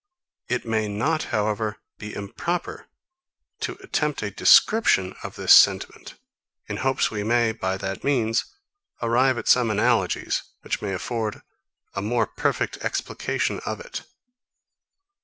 It may not, however, be improper to attempt a description of this sentiment; in hopes we may, by that means, arrive at some analogies, which may afford a more perfect explication of it.